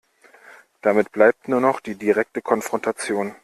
Dann bleibt nur noch die direkte Konfrontation.